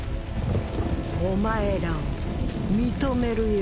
お前らを認めるよ。